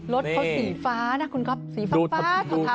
รถเขาสีฟ้านะคุณครับสีฟ้าธาว